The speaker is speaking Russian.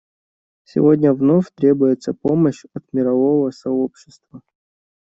Сегодня вновь требуется помощь от мирового сообщества.